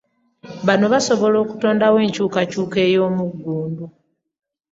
Bano baasobola okutondawo enkyukakyuka ey'omuggundu.